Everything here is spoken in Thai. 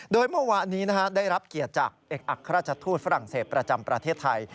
โดยเมื่อวานนี้ได้รับเกียรติจากเอกอัครราชทูตฝรั่งเศสประจำประเทศไทย